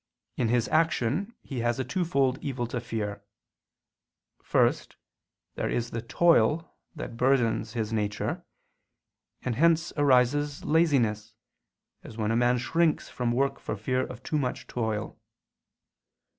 In his action he has a twofold evil to fear. First, there is the toil that burdens his nature: and hence arises laziness, as when a man shrinks from work for fear of too much toil.